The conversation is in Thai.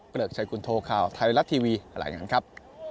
เกลือกใช้คุณโทรข่าวไทยรัฐทีวีหลายงานครับ